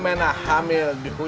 terjalan jauh gitu